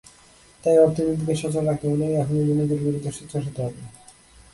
তাই অর্থনীতিকে সচল রাখতে হলে এখনই দুর্নীতির বিরুদ্ধে সোচ্চার হতে হবে।